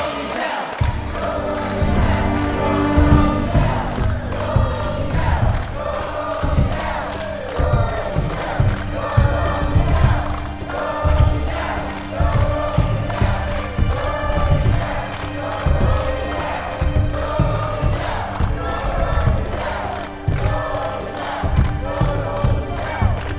go indonesia go indonesia